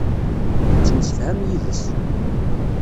Yettemsefham yid-s.